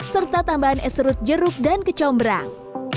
serut jeruk dan kecombrang